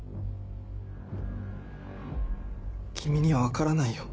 君には分からないよ。